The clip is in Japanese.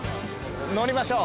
乗りましょう。